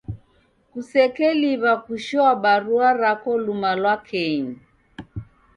Kusekeliw'a kushoa barua rako luma lwa kenyi.